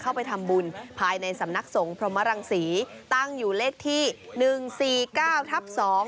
เข้าไปทำบุญภายในสำนักสงพรหมรังศรีตั้งอยู่เลขที่หนึ่งสี่เก้าทับสอง